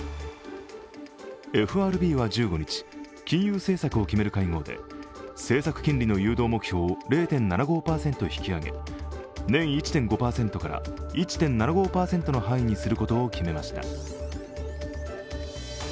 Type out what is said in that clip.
ＦＲＢは１５日金融政策を決める会合で政策金利の誘導目標を０．７５％引き上げ、年１．５％から１．７５％の範囲にすることを決めました。